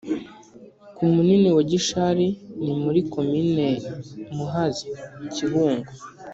ku munini wa gishari: ni muri komini muhazi (kibungo)